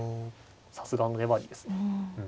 さすがの粘りですね。